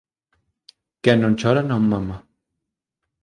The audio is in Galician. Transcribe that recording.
Quen non chora non mama